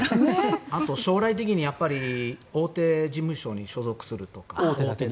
あと、将来的に大手事務所に所属するとか。